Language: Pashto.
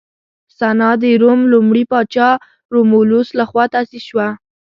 سنا د روم لومړي پاچا رومولوس لخوا تاسیس شوه